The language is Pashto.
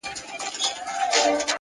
زما ځواني دي ستا د زلفو ښامارونه وخوري؛